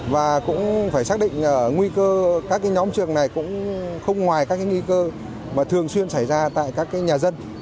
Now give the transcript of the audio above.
và cũng phải xác định nguy cơ các nhóm trường này cũng không ngoài các nghi cơ mà thường xuyên xảy ra tại các nhà dân